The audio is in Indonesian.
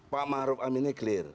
pak ma'ruf amirnya clear